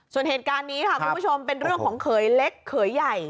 ส่วนเหตุการณ์นี้ค่ะคุณผู้ชมเป็นเรื่องของเขยเล็กเขยใหญ่